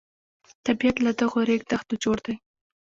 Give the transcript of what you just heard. طبیعت له دغو ریګ دښتو جوړ دی.